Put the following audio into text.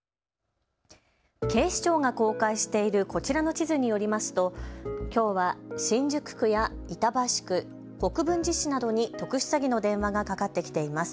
警視庁が公開しているこちらの地図によりますときょうは新宿区や板橋区、国分寺市などに特殊詐欺の電話がかかってきています。